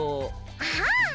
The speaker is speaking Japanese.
ああ。